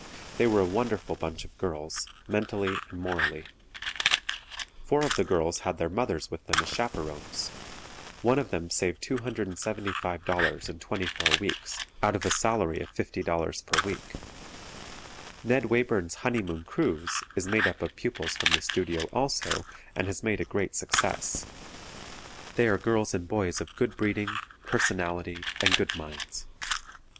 They were a wonderful bunch of girls, mentally and morally. Four of the girls had their mothers with them as chaperones. One of them saved $275.00 in 24 weeks out of a salary of $50.00 per week. Ned Wayburn's "Honeymoon Cruise" is made up of pupils from the Studio, also, and has made a great success. They are girls and boys of good breeding, personality and good minds.